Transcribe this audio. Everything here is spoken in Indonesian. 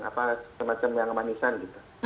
apa semacam yang manisan gitu